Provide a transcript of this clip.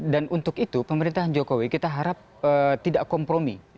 dan untuk itu pemerintahan jokowi kita harap tidak kompromi